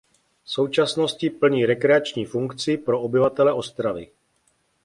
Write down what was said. V současnosti plní rekreační funkci pro obyvatele Ostravy.